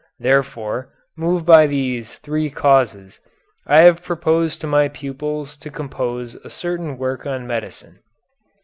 Therefore, moved by these three causes, I have proposed to my pupils to compose a certain work on medicine.